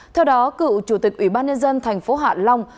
theo đó cựu chủ tịch ủy ban nhân dân tp hạ long